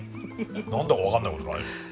何だか分かんないことないよ。